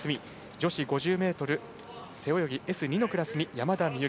女子５０ｍ背泳ぎＳ２のクラスに山田美幸。